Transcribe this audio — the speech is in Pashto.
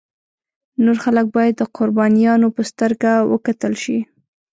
نور خلک باید د قربانیانو په سترګه وکتل شي.